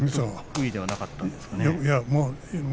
得意ではなかったですね。